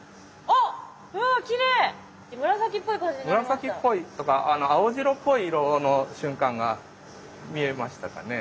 紫っぽいとか青白っぽい色の瞬間が見えましたかね？